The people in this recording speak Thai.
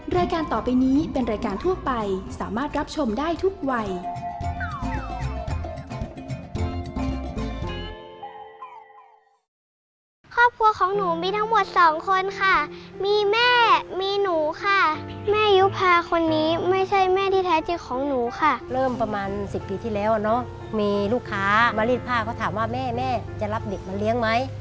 รายการต่อไปนี้เป็นรายการทั่วไปสามารถรับชมได้ทุกวัย